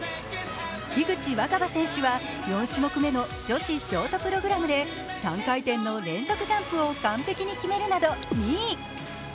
樋口新葉選手は４種目目の女子ショートプログラムで３回転の連続ジャンプを完璧に決めるなど２位。